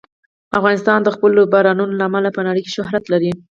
افغانستان د خپلو بارانونو له امله په نړۍ کې شهرت لري.